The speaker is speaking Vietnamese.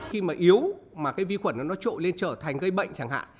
khi mà yếu mà cái vi khuẩn nó trộn lên trở thành gây bệnh chẳng hạn